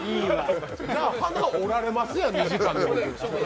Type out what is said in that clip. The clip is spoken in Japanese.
鼻、折られますやん、２時間のうちに。